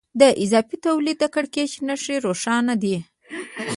د اضافي تولید د کړکېچ نښې روښانه دي